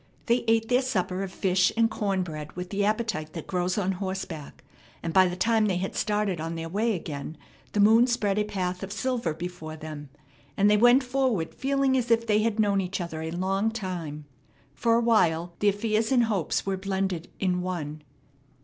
They ate their supper of fish and corn bread with the appetite that grows on horseback, and by the time they had started on their way again the moon spread a path of silver before them, and they went forward feeling as if they had known each other a long time. For a while their fears and hopes were blended in one.